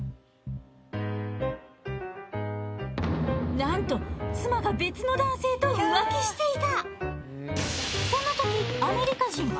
なんと妻が別の男性と浮気していた！